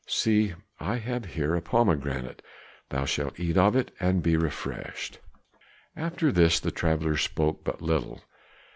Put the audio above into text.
See! I have here a pomegranate; thou shalt eat of it and be refreshed." After this the travelers spoke but little.